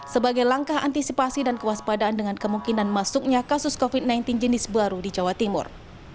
sebagai langkah antisipasi dan kewaspadaan dengan kemungkinan masuknya kasus covid sembilan belas jenis baru di jawa timur